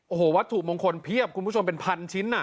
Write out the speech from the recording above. โอ้โหวัตถุมงคลเพียบคุณผู้ชมเป็นพันชิ้น